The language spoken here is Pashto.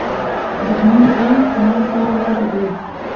دښمن ته ماته ورغله.